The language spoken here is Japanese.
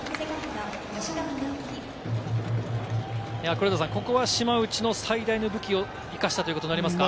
黒田さん、ここは島内の最大の武器を生かしたということになりますか？